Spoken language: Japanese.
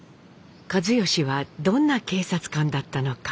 一嚴はどんな警察官だったのか？